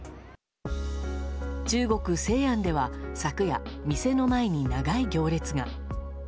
中国・西安では昨夜店の前に長い行列が。